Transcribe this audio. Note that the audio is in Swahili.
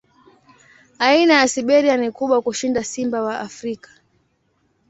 Aina ya Siberia ni kubwa kushinda simba wa Afrika.